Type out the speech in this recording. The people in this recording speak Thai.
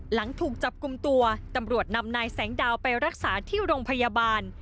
หลังถูกจับกลุ่มตัวตำรวจนำนายแสงดาวไปรักษาที่โรงพยาบาล